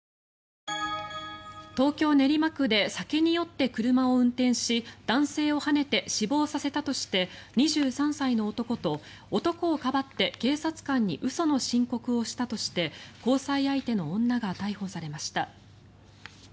東京・練馬区で酒に酔って車を運転し男性をはねて死亡させたとして２３歳の男と、男をかばって警察官に嘘の申告をしたとして交際相手の女が逮捕されました。